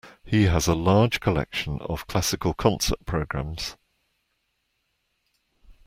He has a large collection of classical concert programmes